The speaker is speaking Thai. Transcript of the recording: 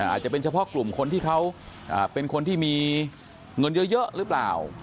อาจจะเป็นเฉพาะกลุ่มคนที่เขาเป็นคนที่มีเงินเยอะหรือเปล่า